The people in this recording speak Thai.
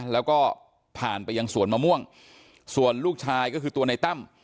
แล้วก็ผ่านไปยังสวนมะม่วงส่วนลูกชายก็คือตัวในตั้ม